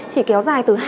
chỉ kéo dài từ